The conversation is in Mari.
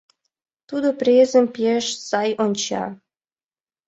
— Тудо презым пеш сай онча.